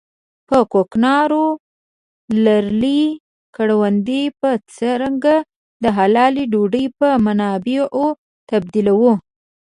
په کوکنارو لړلې کروندې به څرنګه د حلالې ډوډۍ په منابعو تبديلوو.